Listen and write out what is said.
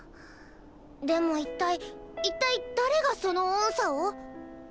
でも一体一体誰がその音叉を？